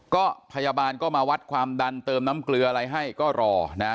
ก็พยาบาลก็มาวัดความดันเติมน้ำเกลืออะไรให้ก็รอนะ